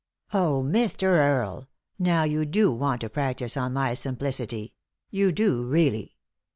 " "Oh, Mr. Earie, now you do want to practise on my simplicity ; you do, really.